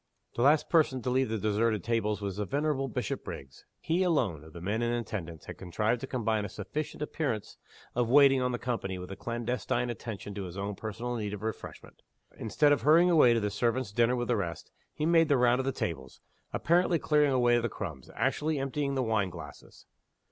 The last person to leave the deserted tables was the venerable Bishopriggs. He alone, of the men in attendance, had contrived to combine a sufficient appearance of waiting on the company with a clandestine attention to his own personal need of refreshment. Instead of hurrying away to the servants' dinner with the rest, he made the round of the tables, apparently clearing away the crumbs actually, emptying the wine glasses.